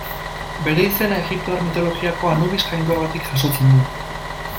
Bere izena egiptoar mitologiako Anubis jainkoagatik jasotzen du.